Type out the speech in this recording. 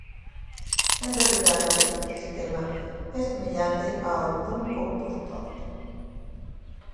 En realidade, este sistema é semellante ao dun compostoiro.